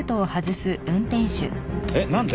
えっなんで？